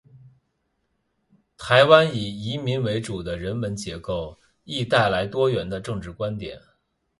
台湾以移民为主的人文结构，亦带来多元的政治观点。